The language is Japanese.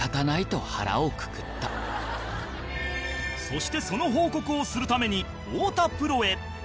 そしてその報告をするために太田プロへ